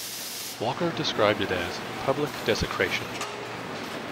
Walker described it as "public desecration".